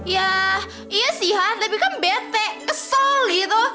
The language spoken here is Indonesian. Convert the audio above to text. yah iya sih han tapi kan bete kesel gitu